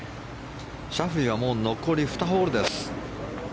シャフリーはもう残り２ホールです。